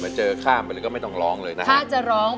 เจอข้ามไปเลยก็ไม่ต้องร้องเลยนะฮะถ้าจะร้อง